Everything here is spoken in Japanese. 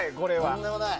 とんでもない。